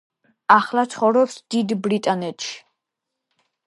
ახლა ცხოვრობს დიდ ბრიტანეთში.